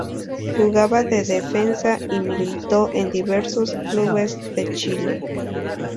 Jugaba de defensa y militó en diversos clubes de Chile.